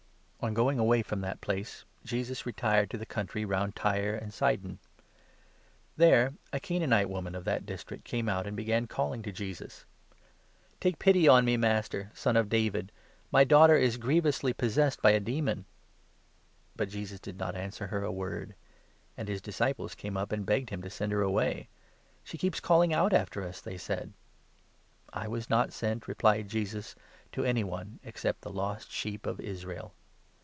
cur* or* On going away from that place, Jesus retired to Syrian oiri the country round Tyre and Sidon. There, noarTyro. a Canaanite woman of that district came out and began calling to Jesus : "Take pity on me, Master, Son of David ; my daughter is grievously possessed by a demon." But Jesus did not answer her a word ; and his disciples came up and begged him to send her away. "She keeps calling out after us," they said. " I was not sent," replied Jesus, " to any one except the lost sheep of Israel."